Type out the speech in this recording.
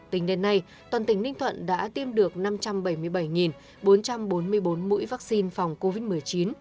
tính đến nay toàn tỉnh ninh thuận đã tiêm được năm trăm bảy mươi bảy bốn trăm bốn mươi bốn mũi vaccine phòng covid một mươi chín